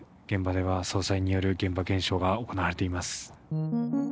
現場では捜査員による現場検証が行われています。